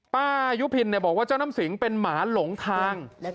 ป้ายุพินบอกว่าเจ้าน้ำสิงเป็นหมาหลงทาง